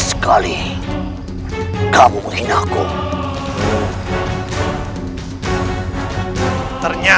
kenapa bisa bekerja sepenuhnya